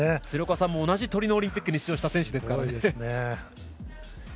鶴岡さんと同じトリノオリンピックに出場した選手です。